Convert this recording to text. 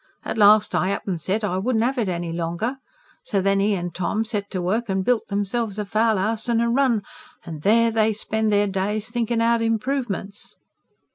At last I up and said I wouldn't have it any longer. So then 'e and Tom set to work and built themselves a fowl house and a run. And there they spend their days thinking out improvements."